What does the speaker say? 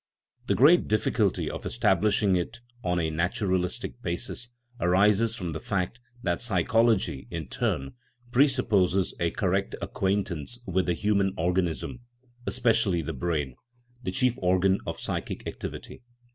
The great difficulty of establishing it on a naturalistic basis arises from the fact that psychology, in turn, 88 THE NATURE OF THE SOUL presupposes a correct acquaintance with the human organism, especially the brain, the chief organ of psychic activity.